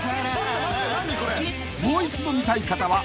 ［もう一度見たい方は］